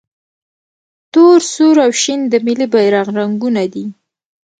تور، سور او شین د ملي بیرغ رنګونه دي.